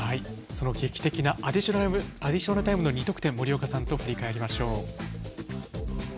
その劇的なアディショナルタイムの２得点を森岡さんと振り返りましょう。